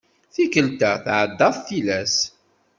Tikelt-a tεeddaḍ tilas.